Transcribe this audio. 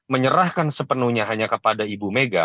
menyerahkan sepenuhnya hanya kepada ibu mega